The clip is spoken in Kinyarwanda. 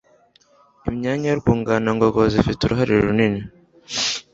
Imyanya yurwungano ngogozi ifite uruhare runini